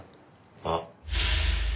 あっ。